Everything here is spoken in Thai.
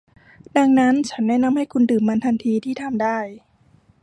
ดังนั้น ฉันแนะนำให้คุณดื่มมันทันทีที่ทำได้